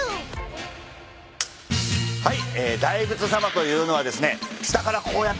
はい。